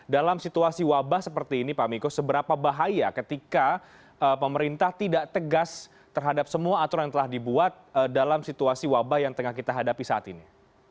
dalam situasi wabah seperti ini pak miko seberapa bahaya ketika pemerintah tidak tegas terhadap semua aturan yang telah dibuat dalam situasi wabah yang tengah kita hadapi saat ini